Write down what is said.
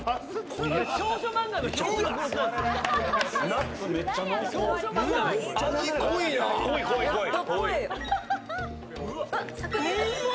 ナッツめっちゃ濃厚。